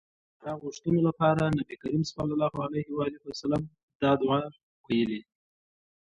د باران غوښتلو لپاره نبي کريم صلی الله علیه وسلم دا دعاء ويلي